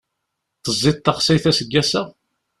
Teẓẓiḍ taxsayt aseggas-a?